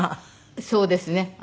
そうですね。